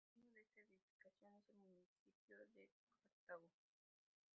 El dueño de esta edificación, es el municipio de Cartago.